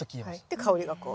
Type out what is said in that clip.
で香りがこうね。